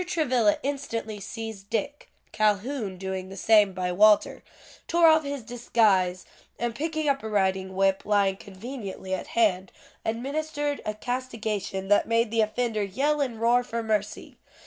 Travilla instantly seized Dick, (Calhoun doing the same by Walter), tore off his disguise, and picking up a riding whip, lying conveniently at hand, administered a castigation that made the offender yell and roar for mercy.